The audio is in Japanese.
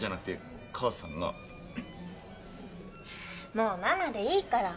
もうママでいいから。